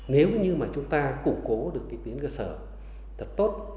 nếu như chúng ta củng cố được tiến cơ sở tốt